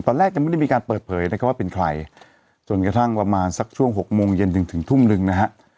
ยังไม่ได้มีการเปิดเผยนะครับว่าเป็นใครจนกระทั่งประมาณสักช่วงหกโมงเย็นจนถึงทุ่มหนึ่งนะฮะ